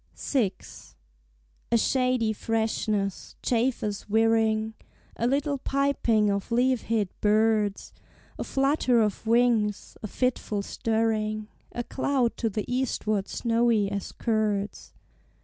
VI. A shady freshness, chafers whirring, A little piping of leaf hid birds; A flutter of wings, a fitful stirring, A cloud to the eastward snowy as curds.